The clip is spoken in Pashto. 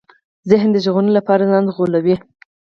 ذهن د ژغورنې لپاره ځان غولوي.